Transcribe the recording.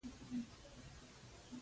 بې رنګه ژوند ته لکه رنګ راسه